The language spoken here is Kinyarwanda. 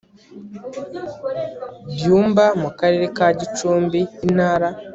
byumba mu karere ka gicumbi intara